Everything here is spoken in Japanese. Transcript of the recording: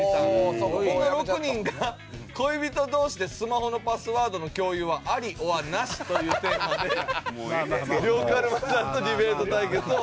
この６人が「恋人同士でスマホのパスワードの共有はアリｏｒナシ」というテーマで呂布カルマさんとディベート対決を行います。